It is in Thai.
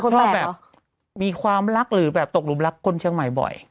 ชอบแบบมีความรักหรือแบบตกหลุมรักคนเชียงใหม่บ่อย